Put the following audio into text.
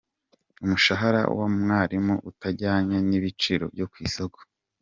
Umushahara wa mwarimu utajyanye n’ibiciro byo ku isoko.